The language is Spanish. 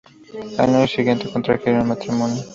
Al año siguiente contrajeron matrimonio.